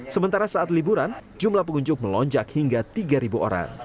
sementara saat liburan jumlah pengunjung melonjak hingga tiga orang